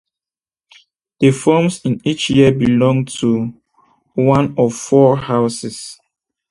The forms in each year belong to one of four houses.